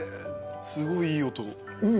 すごいいい音。